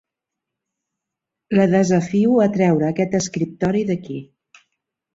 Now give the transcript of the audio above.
La desafio a treure aquest escriptori d'aquí.